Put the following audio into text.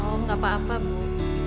oh enggak apa apa bu